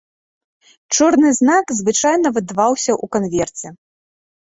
Чорны знак звычайна выдаваўся ў канверце.